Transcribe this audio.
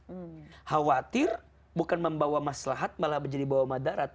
khawatir bukan membawa maslahat malah menjadi bawa madarat